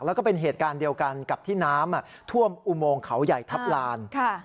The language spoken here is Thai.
แล้วก็เป็นเหตุการณ์เดียวกันกับที่น้ำท่วมอุโมงเขาใหญ่ทัพลาน